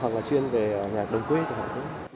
hoặc là chuyên về nhạc đồng quê chẳng hạn